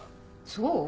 そう？